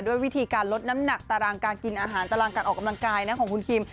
ด้วยวิธีการลดน้ำหนักตารางการกินอาหารตารางการออกกำลังกายนะของคุณคิม